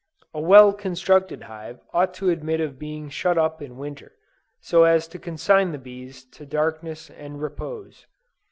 A well constructed hive ought to admit of being shut up in winter, so as to consign the bees to darkness and repose.